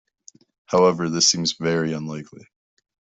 However, this seems very unlikely.